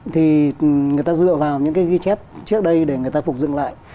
thì người ta dựa vào những cái ghi chép trước đây để người ta phục dựng lại